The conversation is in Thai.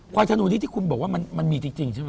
ธนูนี้ที่คุณบอกว่ามันมีจริงใช่ไหม